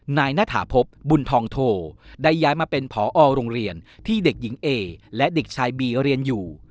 ณฐาพบบุญทองโทได้ย้ายมาเป็นผอโรงเรียนที่เด็กหญิงเอและเด็กชายบีเรียนอยู่